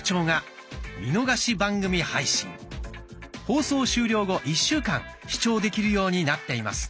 放送終了後１週間視聴できるようになっています。